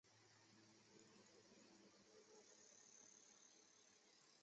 锡马农村居民点是俄罗斯联邦弗拉基米尔州尤里耶夫波利斯基区所属的一个农村居民点。